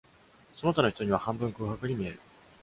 その他の人には、半分空白に見える。